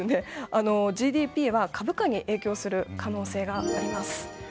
ＧＤＰは株価に影響する可能性があります。